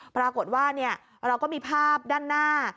ปรากฏว่าเราก็มีภาพด้านหน้า